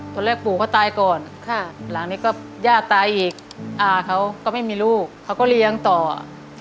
ปู่เขาตายก่อนค่ะหลังนี้ก็ย่าตายอีกอาเขาก็ไม่มีลูกเขาก็เลี้ยงต่ออ่ะ